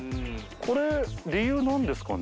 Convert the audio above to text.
これ、理由、なんですかね。